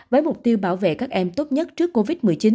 với mục tiêu bảo vệ các em tốt nhất trước covid một mươi chín